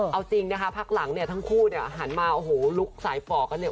เอาจริงนะคะพักหลังเนี่ยทั้งคู่เนี่ยหันมาโอ้โหลุกสายฝ่อกันเนี่ย